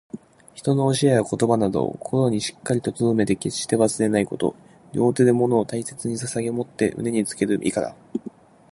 人の教えや言葉などを、心にしっかりと留めて決して忘れないこと。両手で物を大切に捧ささげ持って胸につける意から。